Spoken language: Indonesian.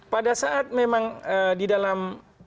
pada saat memang di dalam